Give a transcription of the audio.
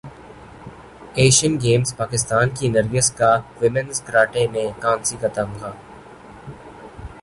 Asian Games Pakistan کی نرگس کا women's karate میں کانسی کا تمغہ